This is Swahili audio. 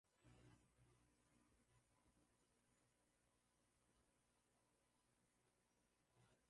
shukran ojwang agina mchambuzi wa siasa ukiwa hapo nairobi kenya